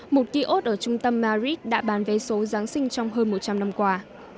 một kỳ ốt ở trung tâm madrid đã bán vé số giáng sinh trong hơn một trăm linh năm qua